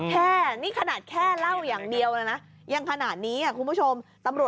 แค่นี่ขนาดแค่เหล้าอย่างเดียวนะนะ